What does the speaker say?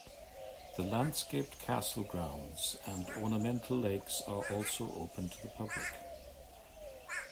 The landscaped castle grounds and ornamental lakes are also open to the public.